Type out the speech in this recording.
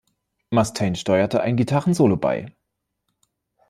Mustaine steuerte ein Gitarrensolo bei.